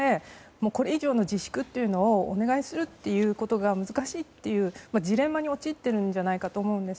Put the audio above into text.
これ以上の自粛をお願いすることが難しいというジレンマに陥っているんじゃないかと思うんです。